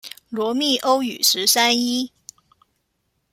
羅密歐與十三姨